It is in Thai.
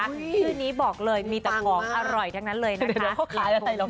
ชื่อนี้บอกเลยมีแต่ของอร่อยทั้งนั้นเลยนะคะ